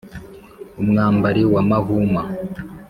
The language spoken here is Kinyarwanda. umwambari wa mahuma